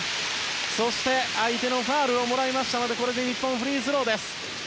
そして相手のファウルをもらいましたのでこれで日本、フリースローです。